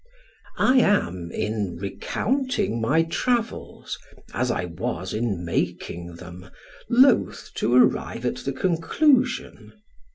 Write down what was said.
I am in recounting my travels, as I was in making them, loath to arrive at the conclusion.